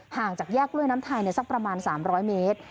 ห่างจากแยกกล้วยน้ำไทยสักประมาณ๓๐๐เมตร